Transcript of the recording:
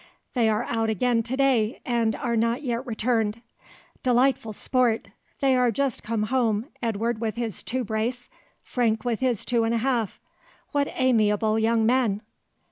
They are out again to day, and are not yet returned. Delightful sport! They are just come home, Edward with his two brace, Frank with his two and a half. What amiable young men!"